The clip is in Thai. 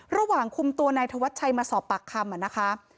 ระหว่างคุมตัวนายธวัชชัยมาสอบปากคำนะคะ